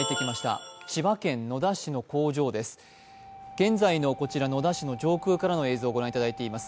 現在のこちら、野田市の上空からの映像をご覧いただいています。